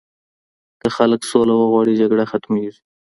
که خلګ سوله وغواړي، جګړه ختمېږي.